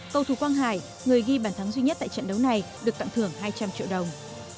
cầu thủ quang hải người ghi bản thắng duy nhất tại trận đấu này được tặng thưởng hai trăm linh triệu đồng